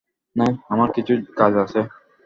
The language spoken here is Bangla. নাহ, আমার কিছু কাজ আছে।